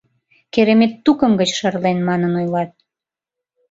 — Керемет тукым гыч шарлен, манын ойлат.